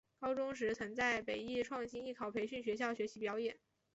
高中时曾在北艺创星艺考培训学校学习表演。